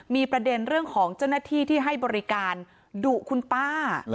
มีประเด็นเรื่องของเจ้าหน้าที่ที่ให้บริการดุคุณป้า